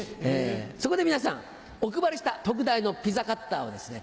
そこで皆さんお配りした特大のピザカッターをですね